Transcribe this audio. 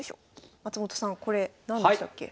松本さんこれ何でしたっけ？